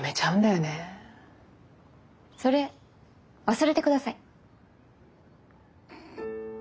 それ忘れてください。